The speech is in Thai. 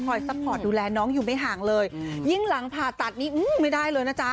ซัพพอร์ตดูแลน้องอยู่ไม่ห่างเลยยิ่งหลังผ่าตัดนี้ไม่ได้เลยนะจ๊ะ